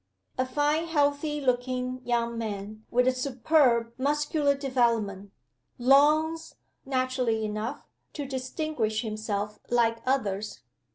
A fine healthy looking young man, with a superb muscular development, longs (naturally enough) to distinguish himself like others.